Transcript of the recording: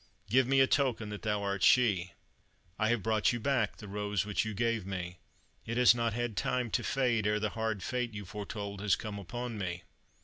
Give me a token that thou art she." "I have brought you back the rose which you gave me; it has not had time to fade ere the hard fate you foretold has come upon me!"